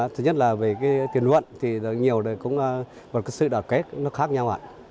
thứ nhất là về tiền luận nhiều là sự đoàn kết khác nhau